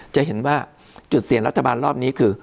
จะเห็นว่าจุดเสี่ยงรัฐบาลรอบนี้คือ